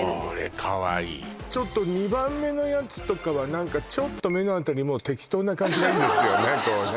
かわいいちょっと２番目のやつとかは何かちょっと目のあたりもう適当な感じがいいんですよね